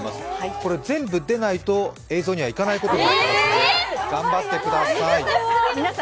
全部出ないと映像にはいかないことになりますので、頑張ってください。